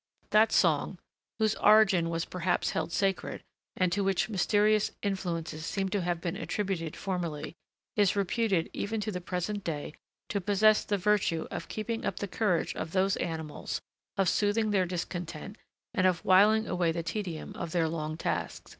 That song, whose origin was perhaps held sacred, and to which mysterious influences seem to have been attributed formerly, is reputed even to the present day to possess the virtue of keeping up the courage of those animals, of soothing their discontent, and of whiling away the tedium of their long task.